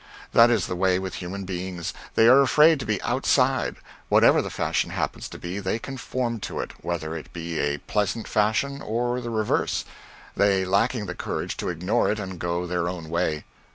That is the way with human beings; they are afraid to be outside; whatever the fashion happens to be, they conform to it, whether it be a pleasant fashion or the reverse, they lacking the courage to ignore it and go their own way.